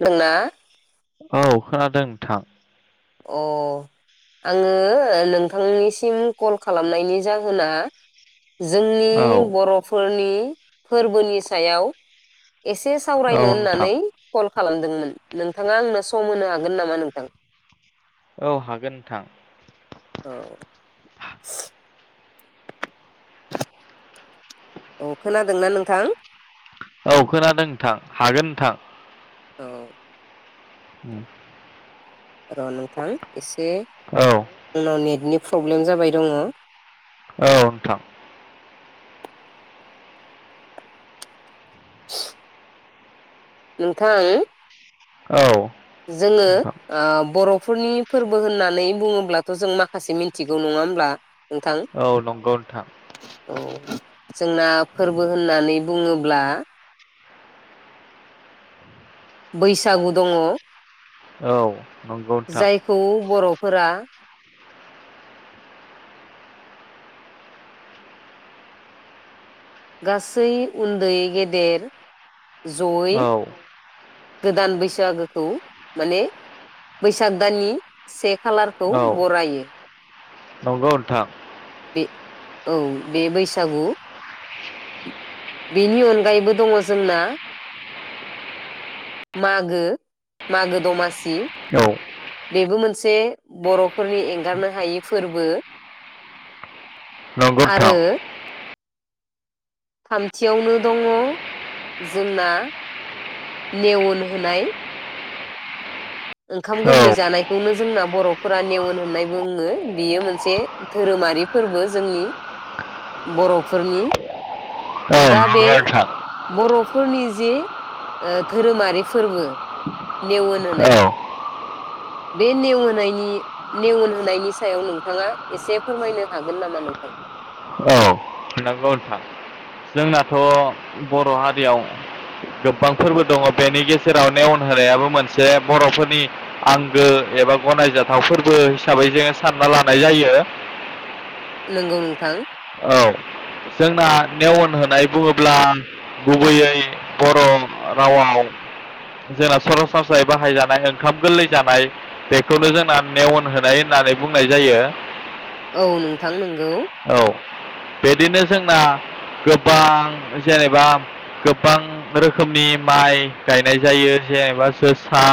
दोंना। औ खोनादों नोंथां। अ आङो नोंथांनिसिम कल खालामनायनि जाहोना जोंनि औ बर'फोरनि फोरबोनि सायाव एसे औ सावरायनो नोंथां होननानै कल खालामदोंमोन। नोंथाङा आंनो सम होनो हागोन नामा नोंथां? औ हागोन नोंथां। औ। [inaudible] अ खोनादोंना नोंथां? औ खोनादों नोंथां हागोन नोंथां। औ। [inaudible] र' नोंथां ए से औ आंनाव नेतनि प्रब्लेम जाबाय दङ। औ नोंथां। [inaudible] नोंथां। औ। जोङो नोंथां ओ बर' फोरनि फोरबो होननानै बुङोब्लाथ' जों माखासे मिथिगौ नङा होमब्ला। नोंथां औ नंगौ नोंथां। औ जोंना फोरबो होननानै बुङोब्ला बैसागु दङ। औ नंगौ नोंथां। फोरा। गासै उन्दै गेदेर। जयै। औ गोदान बैसागोखौ माने बैसाग दाननि से खालारखौ औ बरायो नंगौ नोंथां। बे औ बे बैसागु। बेनि अनगायैबो दङ जोंना मागो मागो दमासि। औ सि बेबो मोनसे बे बर'फोरनि एंगारनो हायै फोरबो। नंगौ नोंथां। आरो थामथियावनो दङ जोंना नेेवोन होनाय। ओंखाम गोरलै औ जानाय। खौनो जोंना बर'फोरा नेवन होनाय बुङो बियो मोनसे धोरोमारि फोरबो जोंनि बर'फोरनि। औ दा बे नंगौ नोंथां बर' फोरनि जि ओ धोरोमारि फोरबो नेेवन औ होनाय। बे नेेवन होनायनि नेवन होनायनि सायाव नोंथाङा एसे फोरमायनो हागोन नामा नोंथां? औ नंगौ नोंथां जोंनाथ' बर' हारियाव गोबां फोरबो दङ बेनि गेजेराव नेेवन होनायाबो मोनसे बर'फोरनि आंगो एबा गनायजाथाव फोरबो हिसाबै जोङो सानना लानाय जायो। नंगौ नोंथां औ जोंना नेेवन होनाय बुङोब्ला गुबैयै बर' रावाव जोंना सरासनस्रायै बाहायजानाय ओंखाम गोरलै जानाय बेखौनो जोंना नेवन होनाय होननानै बुंनाय जायो। औ नोंथां नं औ बिदिनो जोंना गोबां जेनेबा गोबां रोखोमनि माइ गायनाय जायो जेनेबा जोसा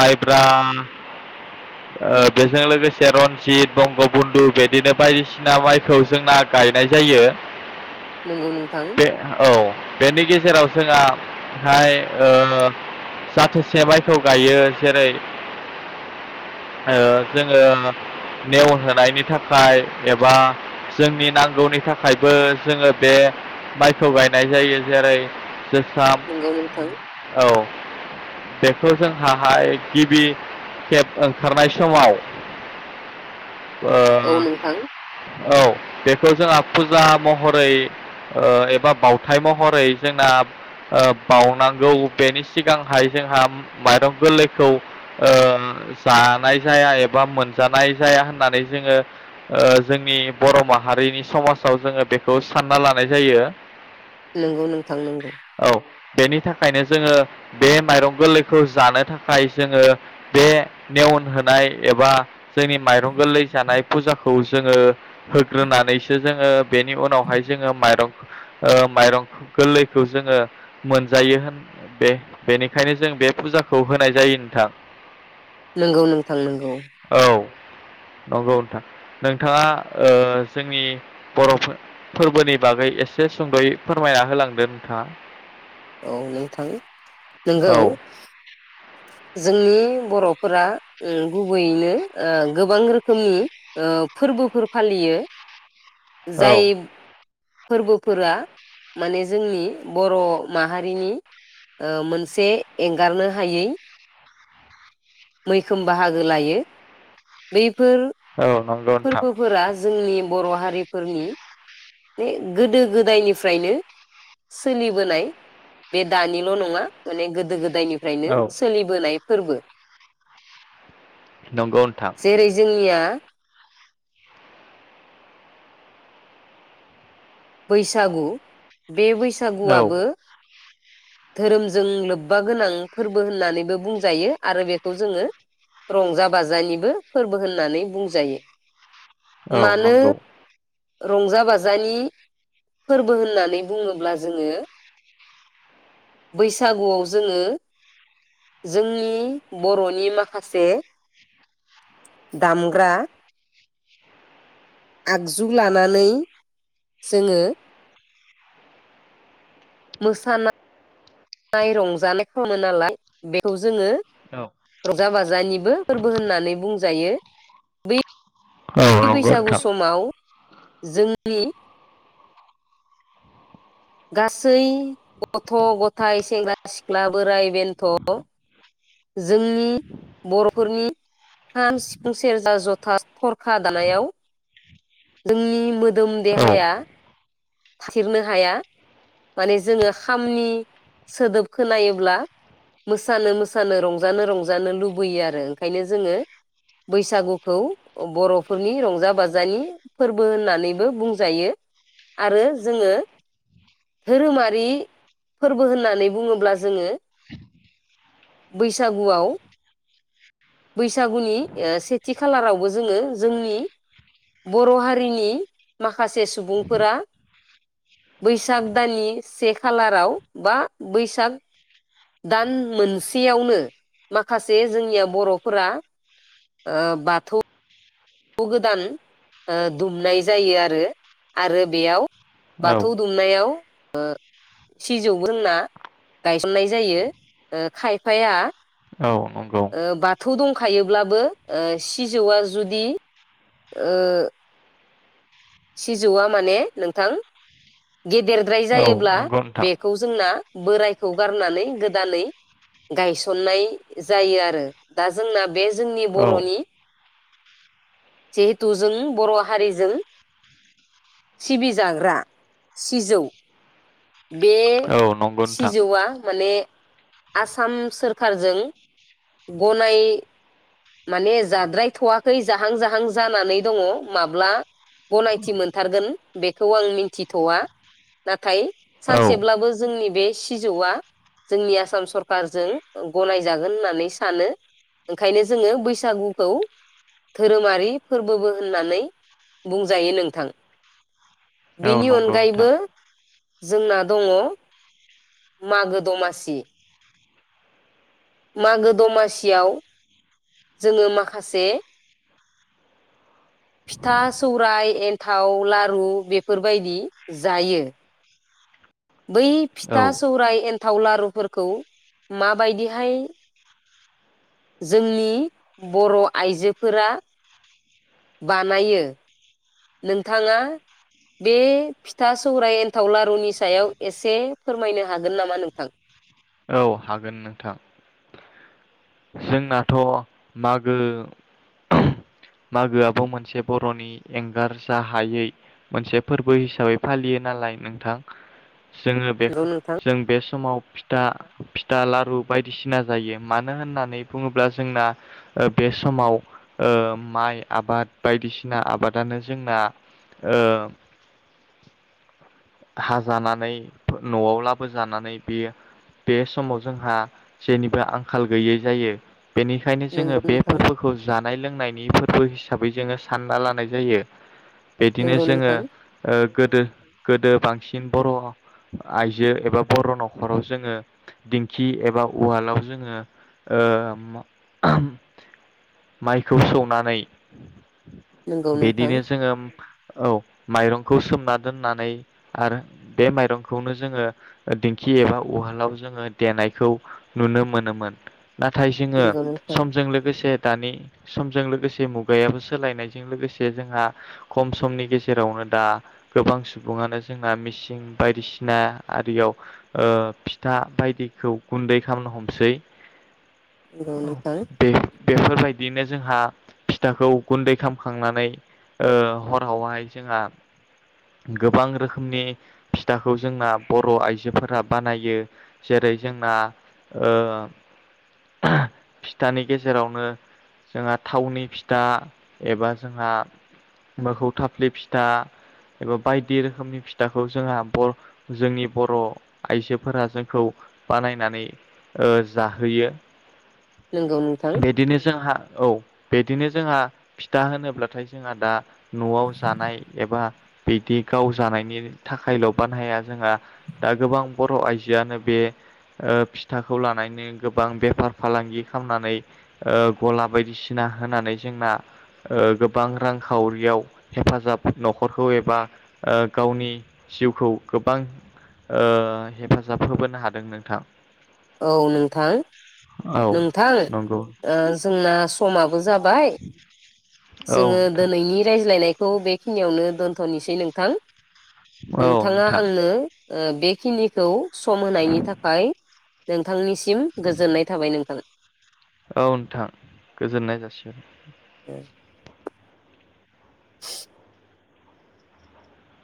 माइब्रा ओ बेजों लोगोसे रनजित बंगबन्धु बिदिनो बायदिसिना माइखौ जोंना गायनाय जायो। नंगौ नोंथां बे औ बेनि गेज जेराव जोंहा हाय ओ जाथोसे माइखौ गायो जेरै ओ जोङो नेवन होनोनायनि थाखाय एबा जोंनि नांगौनि थाखायबो जोङो बे माइखौ गायनाय जायो जेरै नंगौ नोंथां [unintelligible] औ बेखौ जोंहाहाय गिबि खेब ओंखारनाय समाव औ नोंथां औ बेखौ जोंहा फुजा महरै एबा बावथाय महरै जोंना बावनांगौ बेनि सिगांहाय जोंहा माइरं गोरलैखौ ओ जानाय जाया एबा मोनजानाय जाया होननानै जोङो जोंनि बर' माहारिनि समाजाव जोङो बेखौ सानना लानाय जायो नोंगौ नोंथां नंगौ औ बेनि थाखायनो जोङो बे माइरं गोरलैखौ जानो थाखाय जोङो बे नेवन होनाय एबा जोंनि माइरं गोरलै जानाय फुजाखौ जोङो होग्रोनानैसो जोङो बेनि उनावहाय जोङो माइरं ओ माइरं गोरलैखौ जोङो मोनजायो होन बे बेनिखायनो जों बे फुजाखौ होनाय जायो नोंथां नोंगौ नोंथां नोंगौ औ नंगौ नोंथां नोंथाङा जोंनि बर' फोर-फोरबोनि बागै एसे सुंद'यै फोरमायना होलांदो नोंथाङा औ नोंथां नोंगौ औ जोंनि बर'फोरा गुबैयैनो गोबां रोखोमनि फोरबोफोर फालियो औ जाय फोरबोफोरा माने जोंनि बर' माहारिनि मोनसे एंगारनो हायै मैखोम बाहागो लायो बैफोर औ नंगौ नोंथां फोरबोफोरा जोंनि बर' हा रि फोरनि गोदो गोदायनिफ्रायनो सोलिबोनाय बे दानिल' नङा माने गोदो गोद दायनिफ्रायनो औ सोलिबोनाय फोरबो नंगौ नोंथां जेरै जोंनिया बैसागु बे औ बैसागुआबो धोरोमजों लोब्बा गोनां फोरबो होननानैबो बुंजायो आरो बेखौ जोङो रंजा बाजानिबो फोरबो होननानै बुंजायो। औ मानो नंगौ। रंजा बाजानि फोरबो होननानै बुङोब्ला जोङो बैसागुआव जोङो जोंनि बर'नि माखासे दामग्रा आगजु लानानै जोङो मोसानाय रंजानाय खालामो नालाय बेखौ जोङो औ रंजा बाजानिबो फोरबो होननानै बुं जायो बै औ नंगौ बैसागु नोंथां। समाव जोंनि गासै गथ' गथाय सेंग्रा सिख्ला बोराइ बेन्थ' जोंनि बर'फोरनि खाम सिफुं सेरजा जथा थरखा दामनायाव जोंनि मोदोम औ देहाया थाथिरनो हाया माने जोङो खामनि सोदोब खोनोब्ला मोसानो मोसानो रंजानो रंजानो लुबैयो आरो ओंखायनो जोङो बैसागुखौ बर'फोरनि रंजा बाजानि फोरबो होननानैबो बुंजायो। आरो जोङो धोरोमारि फोरबो होननानै बुङोब्ला जोङो बैसागुआव बैसागुनि ओ सेथि खालारावबो जोङो जोंनि बर' हारिनि माखासे सुबुं फोरा बैसाग दाननि से खालाराव बा बैसाग दान मोनसेयावनो माखासे जोंनिया बर'फोरा ओ बाथौ गोदान दुमनाय जायो आरो आरो बेयाव औ बाथौ दुमनायाव ओ सिजौ होनना गायसननाय जायो खायफाया औ नंगौ ओ बाथौ दंखायोब्लाबो सिजौआ जुदि ओ सिजौआ माने नोंथां गेदेरद्राय औ जायोब्ला नंगौ नोंथां बेखौ जोंना बोरायखौ गारनानै गोदानै गायसननाय जायो आरो दा जोंना बे जोंनि औ बर'नि जिहेथु जों बर' हारिजों सिबिजाग्रा सिजौ बे औ नंगौ नोंथां सिजौआ माने आसाम सोरखारजों गनाय माने जाद्रायथ'वाखै जाहां जाहां जानानै दङ माब्ला गनायथि मोनथारगोन बेखौ आं मिन्थिथ'वा नाथाय औ सानसेब्लाबो जोंनि बे सिजौआ जोंनि आसाम सरखारजों गनायजागोन होननानै सानो ओंखायनो जोङो बैसागुखौ धोरोमारि फोरबोबो होननानै बुंजायो नोंथां। औ बिनि नंगौ अनगायैबो नोंथां जोंना दङ मागो दमासि मागो दमासियाव जोङो माखासे फिथा सौराय एन्थाव लारु बेफोरबायदि जायो। बै औ फिथा सौराय एन्थाव लारुफोरखौ माबायदिहाय जोंनि बर' आइजोफोरा बानायो नोंथाङा बे फिथा सौराय एन्थाव लारुनि सायाव एसे फोरमायनो हागोन नामा नोंथां? औ हागोन नोंथां। जोंनाथ' मागो मागोआबो मोनसे बर'नि एंगारजा हायै मोनसे फोरबो हिसाबै फालियो नालाय नोंथां। जोङो बे नंगौ नोंथां जों बे समाव फिथा फिथा लारु बायदिसिना जायो मानो होननानै नानै बुङोब्ला जोंना बे समाव माइ आबाद बायदिसिना आबादानो जोंना ओ हाजानानै न'आव लाबोजानानै बे बे समाव जोंहा जेनिबो आंखाल गैयै जायो। बेनिखायनो जोङो नंगौ बे नोंथां फोरबोखौ जानाय लोंनायनि फोरबो हि हिसाबै जोङो सानना लानाय जायो। बिदिनो नंगौ जोङो नोंथां ओ गोदो बांसिन बर' आइजो एबा बर' न'खराव जोङो दिंखि एबा उवालाव जोङो माइखौ सौनानै नंगौ नोंथां बेदिनो जोङो औ। माइरंखौ सोमना दोननानै आरो बे माइरंखौनो जोंङो दिंखि एबा उहालाव जोंङो देनायखौ नुनो मोनोमोन। नाथाय जोंङो नंगौ नोंथां समजों लोगोसे दानि समजों लोगोसे मुगायाबो सोलायनायजों लोगोसे जोंहा खम समनि गेजेरावनो दा गोबां सुबुं सुबुङानो जोंना मेसिं बायदिसिना आरियाव ओ फिथा बायदिखौ गुन्दै खालामनो हमसै नंगौ नोंथां बे बेफोरबायदि बिदिनो जोंहा फिथाखौ गुन्दै खालाम खांनानै ओ हर हाव हाय जोंहा गोबां रोखोमनि फिथाखौ जोंना बर' आइजोफोरा बानायो जेरै जोंना फिथानि गेजेरावनो जोंहा थावनि फिथा एबा जोंहा मोखौ थाफ्लि फिथा एबा बायदि रोखोमनि फिथाखौ जोंहा बर जोंनि बर' आइजोफोरा जोंखौ बानायनानै जाहोयो। नंगौ नोंथां बिदिनो जोंहा औ बिदिनो जोंहा फिथा होनोब्लाथाय जोंहा दा न'आव जानाय एबा बिदि गाव जानायनि थाखायल' बानाया जोंहा दा गोबां बर' आइजोआनो बे फिथाखौ लानानैनो गोबां बेफार फालांगि खालामनानै गला बायदिसिना होनानै जोंना गोबां रांखावरियाव हेफाजाब न'खरखौ बा गावनि जिउखौ गोबां हेफाजाब होबोनो हादों नोंथां औ नोंथां औ नोंथां नंगौ ओ जोंना समा जाबाय औ जोङो नोंथां दिनैनि रायज्लायनाय - खौ बेखिनियावनो दोन्थनोसै नोंथां औ नोंथाङा नोंथां आंनो ओ बेखिनिखौ सम होनायनि थाखाय दों बिथांनिसिम गोजोननाय जाबाय नोंथां औ नोंथां गोजोननाय जासिगोन। [inaudible]